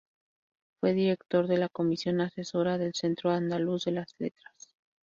Fue director de la Comisión Asesora del Centro Andaluz de las Letras.